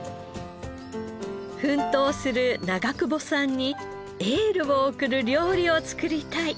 奮闘する長久保さんにエールを送る料理を作りたい。